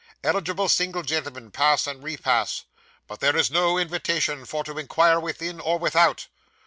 Eligible single gentlemen pass and repass but there is no invitation for to inquire within or without.